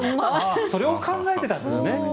それを考えていたんですね。